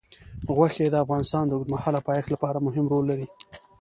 غوښې د افغانستان د اوږدمهاله پایښت لپاره مهم رول لري.